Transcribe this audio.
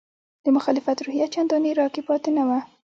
د مخالفت روحیه چندانې راکې پاتې نه وه.